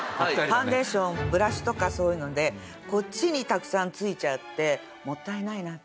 ファンデーションブラシとかそういうのでこっちにたくさん付いちゃってもったいないなって思ったりする。